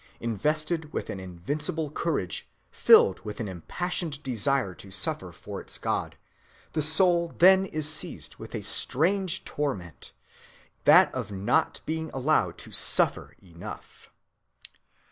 Invested with an invincible courage, filled with an impassioned desire to suffer for its God, the soul then is seized with a strange torment—that of not being allowed to suffer enough."